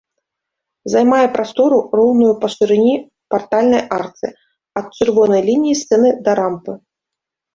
Займае прастору, роўную па шырыні партальнай арцы, ад чырвонай лініі сцэны да рампы.